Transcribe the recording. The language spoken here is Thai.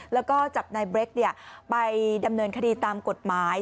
แล้วก็จับนายเบรกไปดำเนินคดีตามกฎหมาย